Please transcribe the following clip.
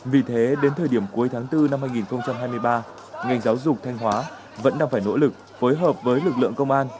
vì thế đến thời điểm cuối tháng bốn năm hai nghìn hai mươi ba ngành giáo dục thanh hóa vẫn đang phải nỗ lực phối hợp với lực lượng công an